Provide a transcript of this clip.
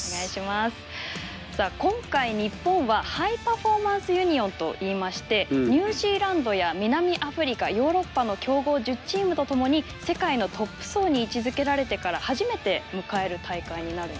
さあ今回日本はハイパフォーマンスユニオンといいましてニュージーランドや南アフリカヨーロッパの強豪１０チームと共に世界のトップ層に位置づけられてから初めて迎える大会になるんです。